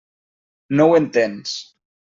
No ho entens.